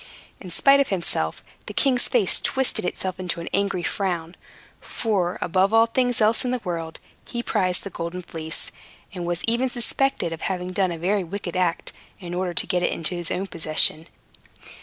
In spite of himself, the king's face twisted itself into an angry frown; for, above all things else in the world, he prized the Golden Fleece, and was even suspected of having done a very wicked act, in order to get it into his own possession.